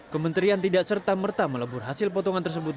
kementerian tidak serta merta melebur hasil potongan tersebut